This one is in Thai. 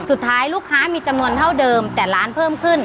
สุดท้ายลูกค้ามีจำนวนเท่าเดิมแต่ร้านเพิ่มขึ้น